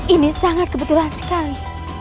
ini sangat kebetulan sekali